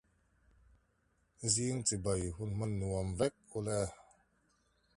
For example, they are more robust to decoherence under certain environmental interactions.